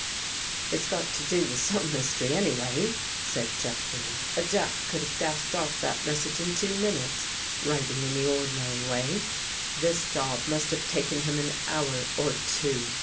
" It's got to do with some mystery, anyway," said Jeffrey. "A Jap could have dashed off that mes sage in two minutes, writing in the ordinary way. This job must have taken him an hour or two.